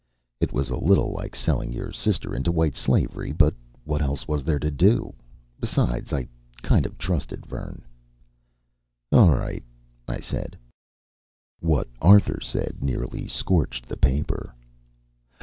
It was a little like selling your sister into white slavery, but what else was there to do? Besides, I kind of trusted Vern. "All right," I said. What Arthur said nearly scorched the paper.